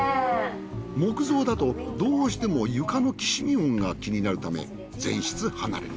木造だとどうしても床のきしみ音が気になるため全室離れに。